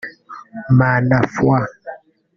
Manafwa